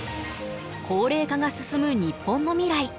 高齢化が進む日本の未来。